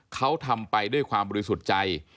เขาทำไปด้วยความบริสุทธิ์ใจ